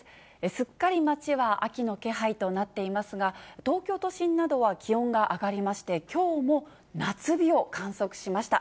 すっかり街は秋の気配となっていますが、東京都心などは気温が上がりまして、きょうも夏日を観測しました。